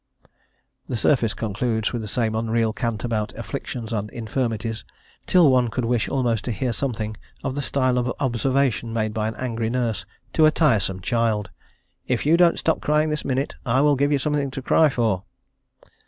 The service concludes with the same unreal cant about afflictions and infirmities, till one could wish almost to hear something of the style of observation made by an angry nurse to a tiresome child: "If you don't stop crying this minute, I will give you something to cry for."